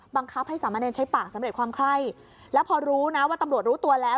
บังคับให้สามเณรใช้ปากสำเร็จความไข้แล้วพอรู้นะว่าตำรวจรู้ตัวแล้ว